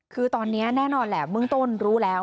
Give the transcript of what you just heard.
คือตอนนี้แน่นอนแหละเบื้องต้นรู้แล้ว